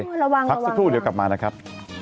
ระวังระวังแค่กันหรือเรากลับมานะครับ